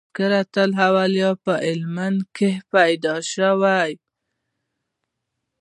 "تذکرةالاولیاء" په هلمند کښي پيدا سو.